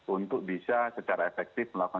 untuk bisa secara efektif melakukan